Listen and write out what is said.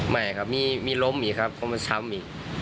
ไม่ครับมีล้มอีกครับเพราะมันซ้ำอีก